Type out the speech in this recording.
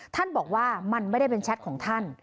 ท่านบอกว่ามันไม่ได้เป็นแชทของท่าน